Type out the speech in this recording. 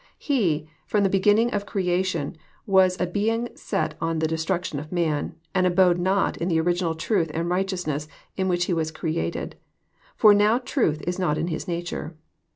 He, from the beginning of creation, was a being set on the destruction of man, and abode not in the original truth and righteousness in which he was created ; for now truth is not in his nature.